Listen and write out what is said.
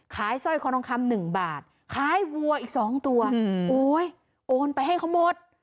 สร้อยคอทองคำหนึ่งบาทขายวัวอีก๒ตัวโอ๊ยโอนไปให้เขาหมด